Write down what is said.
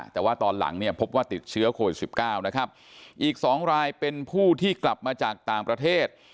แต่ว่าตอนหลังเนี่ยพบว่าติดเชื้อโควิด๑๙นะครับอีก๒รายเป็นผู้ที่กลับมาจากต่างประเทศ